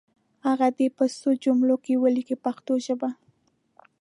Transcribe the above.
هغه دې په څو جملو کې ولیکي په پښتو ژبه.